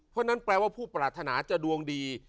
เพราะฉะนั้นแปลว่าผู้ปรารถนาจะดวงดี